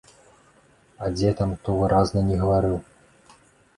А дзе там, то выразна не гаварыў.